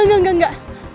enggak enggak enggak